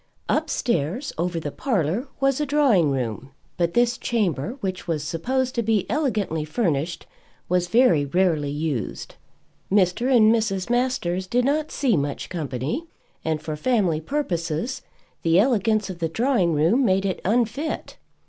Upstairs, over the parlour, was a drawing room; but this chamber, which was supposed to be elegantly furnished, was very rarely used. Mr. and Mrs. Masters did not see much company, and for family purposes the elegance of the drawing room made it unfit.